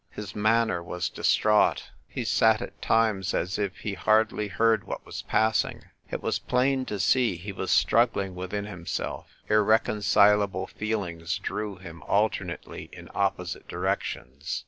His manner was distraught; he sat at times as if he hardly heard what was passing. It was plain to see he was struggling within himself ; irreconcilable feelings drew him alternately in opposite directions.